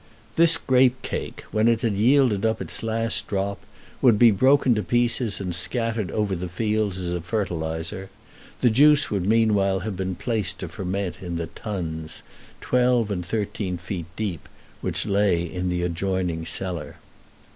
This grape cake, when it had yielded up its last drop, would be broken to pieces and scattered over the fields as a fertilizer. The juice would meanwhile have been placed to ferment in the tuns, twelve and thirteen feet deep, which lay in the adjoining cellar.